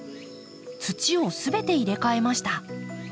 土をすべて入れ替えました。